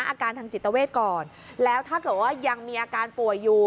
อาการทางจิตเวทก่อนแล้วถ้าเกิดว่ายังมีอาการป่วยอยู่